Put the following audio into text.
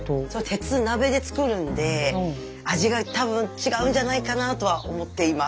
鉄鍋で作るんで味が多分違うんじゃないかなとは思っています。